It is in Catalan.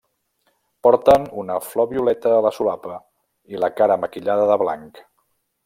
Porten una flor violeta a la solapa i la cara maquillada de blanc.